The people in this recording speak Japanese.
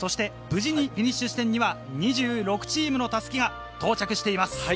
無事にフィニッシュ地点には２６チームの襷が到着しています。